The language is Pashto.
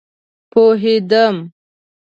پوهيدم